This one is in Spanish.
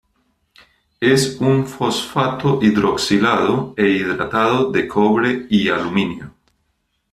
Es un fosfato hidroxilado e hidratado de cobre y aluminio.